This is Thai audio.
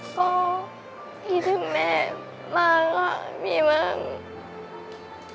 ก็คิดถึงแม่มากค่ะคิดถึงแม่มาก